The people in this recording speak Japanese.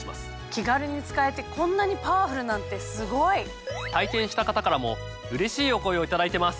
気軽に使えてこんなにパワフルなんてすごい！体験した方からもうれしいお声を頂いてます。